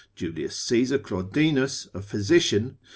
Julius Caesar Claudinus, a physician, consult.